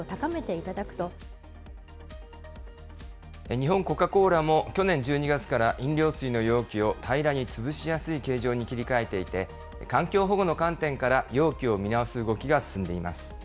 日本コカ・コーラも、去年１２月から飲料水の容器を平らに潰しやすい形状に切り替えていて、環境保護の観点から容器を見直す動きが進んでいます。